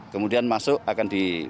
kemudian masuk akan dibeli barcode